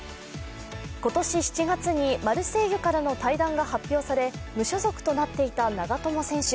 今年７月にマルセイユからの退団が発表され無所属となっていた長友選手。